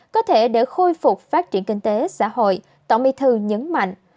có thể để khôi phục phát triển kinh tế xã hội tổng bí thư nhấn mạnh